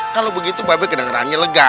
kalo begitu mbak bek kena ngerangnya lega ya